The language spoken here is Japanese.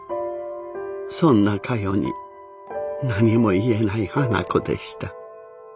そんなかよに何も言えない花子でした。